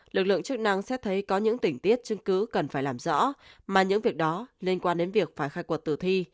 lực lượng chức năng xét thấy có những tỉnh tiết chứng cứ cần phải làm rõ mà những việc đó liên quan đến việc phải khai quật tử thi